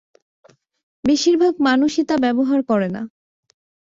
বেশির ভাগ মানুষই তা ব্যবহার করে না।